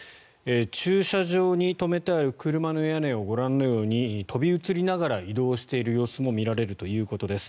駐車場に止めてある車の屋根をご覧のように、飛び移りながら移動している様子も見られるということです。